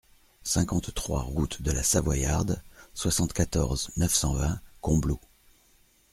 cinquante-trois route de la Savoyarde, soixante-quatorze, neuf cent vingt, Combloux